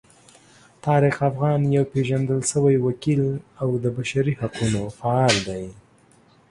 طارق افغان یو پیژندل شوی وکیل او د بشري حقونو فعال دی.